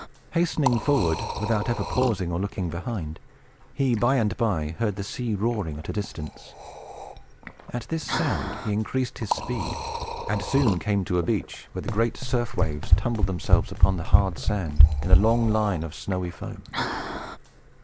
Hastening forward, without ever pausing or looking behind, he by and by heard the sea roaring at a distance. At this sound, he increased his speed, and soon came to a beach, where the great surf waves tumbled themselves upon the hard sand, in a long line of snowy foam.